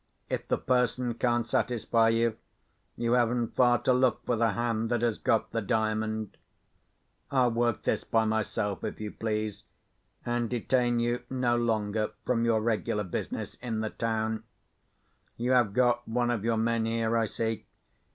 If the person can't satisfy you, you haven't far to look for the hand that has got the Diamond. I'll work this by myself, if you please, and detain you no longer from your regular business in the town. You have got one of your men here, I see.